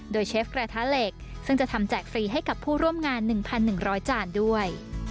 โดยเชฟกระทะเหล็กซึ่งจะทำแจกฟรีให้กับผู้ร่วมงาน๑๑๐๐จานด้วย